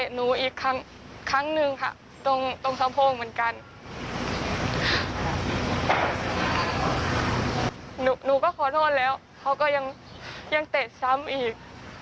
หนูก็ขอโทษแล้วเขาก็ยังเตะซ้ำอีก